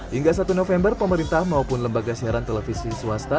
hingga satu november pemerintah maupun lembaga siaran televisi swasta